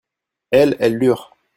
elles, elles lûrent.